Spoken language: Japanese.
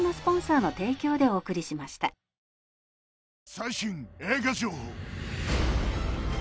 最新映画情報